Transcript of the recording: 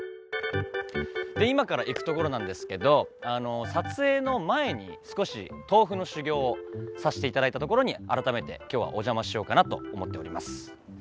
今から行くところなんですけど撮影の前に少し豆腐の修業をさせていただいた所に改めて今日はお邪魔しようかなと思っております。